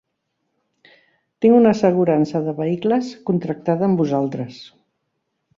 Tinc una assegurança de vehicles contractada amb vosaltres.